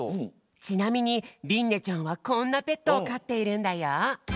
ちなみにりんねちゃんはこんなペットをかっているんだよ。